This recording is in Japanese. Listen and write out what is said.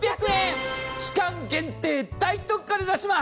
期間限定大特価で出します。